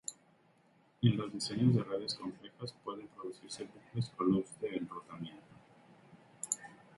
En los diseños de redes complejas pueden producirse bucles o loops de enrutamiento.